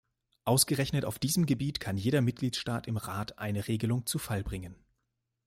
Ausgerechnet auf diesem Gebiet kann jeder Mitgliedstaat im Rat eine Regelung zu Fall bringen.